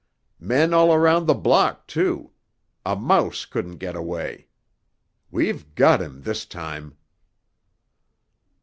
Men all around the block, too—a mouse couldn't get away. We've got him this time!"